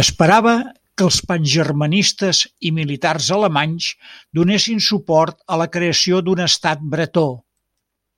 Esperava que els pangermanistes i militars alemanys donessin suport a la creació d'un Estat Bretó.